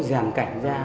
dàng cảnh ra